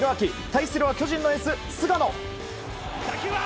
対するは巨人のエース、菅野。